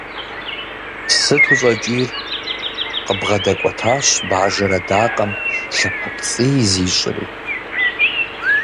Сыт ущӏэкӏийр?- къыбгъэдэкӏуэтащ бажэр адакъэм, лъапэпцӏий зищӏри.